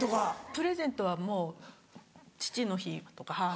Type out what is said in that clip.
プレゼントはもう父の日とか母の日。